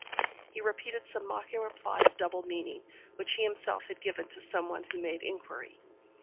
He repeated some mocking reply of double meaning, which he himself had given to some one who made inquiry.